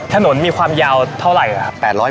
ถนนมีความยาวเท่าไหร่ครับ